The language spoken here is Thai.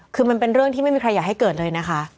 คือมันเป็นเรื่องที่ไม่มีใครอยากให้เกิดเลยนะคะ